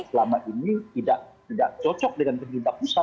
selama ini tidak cocok dengan pemerintah pusat